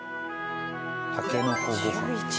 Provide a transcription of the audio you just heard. タケノコご飯。